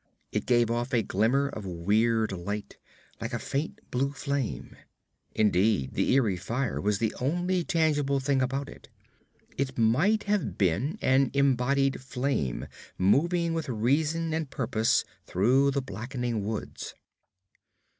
It gave off a glimmer of weird light, like a faint blue flame. Indeed, the eery fire was the only tangible thing about it. It might have been an embodied flame moving with reason and purpose through the blackening woods.